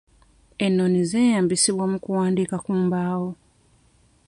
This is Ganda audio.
Ennoni zeeyambisibwa mu kuwandiika ku mbaawo